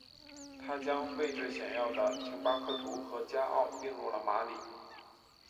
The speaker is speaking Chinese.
他将位置显要的廷巴克图和加奥并入了马里。